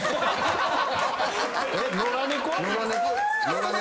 野良猫？